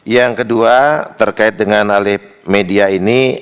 yang kedua terkait dengan alih media ini